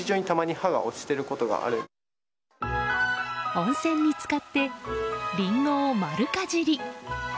温泉に使ってリンゴを丸かじり。